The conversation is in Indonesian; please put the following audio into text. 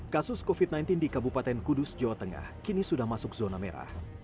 kasus covid sembilan belas di kabupaten kudus jawa tengah kini sudah masuk zona merah